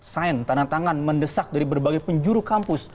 sain tanah tangan mendesak dari berbagai penjuru kampus